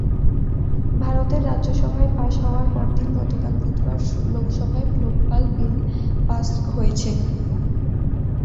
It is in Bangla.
ভারতের রাজ্যসভায় পাস হওয়ার পরদিন গতকাল বুধবার লোকসভায় লোকপাল বিল পাস হয়েছে।